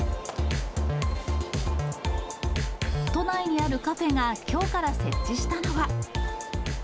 都内にあるカフェがきょうから設置したのは。